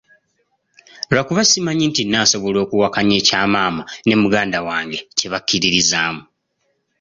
Lwakuba simanyi nti nnaasobola okuwakanya ekya maama ne muganda wange kye bakkiririzaamu.